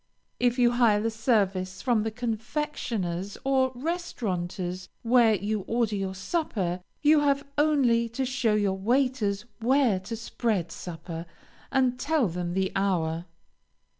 If you hire the service from the confectioner's or restaurateur's where you order your supper, you have only to show your waiters where to spread supper, and tell them the hour.